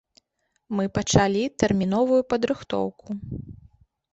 Мы пачалі тэрміновую падрыхтоўку.